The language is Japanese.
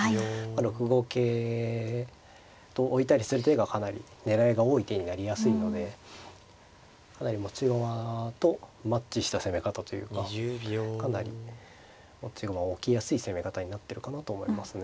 ６五桂と置いたりする手がかなり狙いが多い手になりやすいのでかなり持ち駒とマッチした攻め方というかかなり持ち駒置きやすい攻め方になってるかなと思いますね。